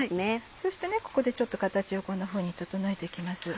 そしてここでちょっと形をこんなふうに整えて行きます。